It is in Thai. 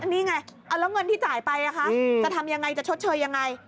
นี่ไงแล้วเงินที่จ่ายไปจะทำยังไงจะชดเชยยังไง